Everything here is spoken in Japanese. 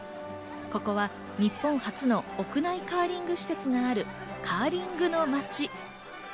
ここは日本初の国際屋内カーリング施設があるカーリングの町。